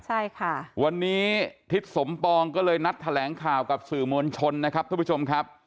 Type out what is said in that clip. ใช่ค่ะวันนี้ทิศสมปองก็เลยนัดแถลงข่าวกับสื่อมวลชนนะครับทุกผู้ชมครับ